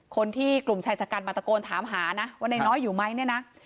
คนที่กลุ่มชายชะกันมาตะโกนถามหานะว่านายน้อยอยู่ไหมเนี่ยนะ